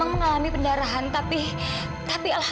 yang murah sebelumnya tuhan tuhwheelz